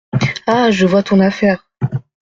Ah ! je vois ton affaire !…